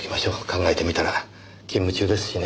考えてみたら勤務中ですしね。